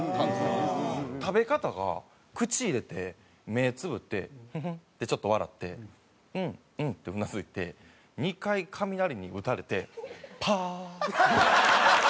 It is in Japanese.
食べ方が口入れて目つぶってフフッてちょっと笑ってうんうんってうなずいて２回雷に打たれてパァッ！